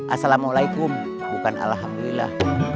assalamualaikum bukan alhamdulillah